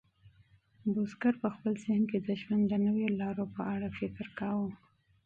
بزګر په خپل ذهن کې د ژوند د نویو لارو په اړه فکر کاوه.